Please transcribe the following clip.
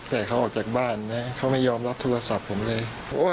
แต่เขาออกจากบ้านนะเขาไม่ยอมรับโทรศัพท์ผมเลย